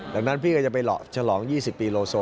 ดังนั้นพี่ก็จะไปฉลอง๒๐ปีโลโซ